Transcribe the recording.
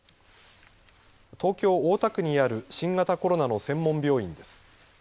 東京大田区にある新型コロナの専門病院です。